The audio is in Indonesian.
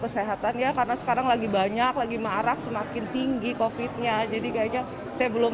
kesehatan ya karena sekarang lagi banyak lagi marah semakin tinggi covid nya jadi kayaknya saya belum